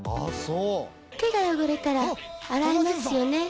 手が汚れたら洗いますよね。